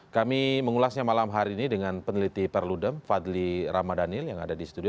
kami mengulasnya malam hari ini dengan peneliti perludem fadli ramadhanil yang ada di studio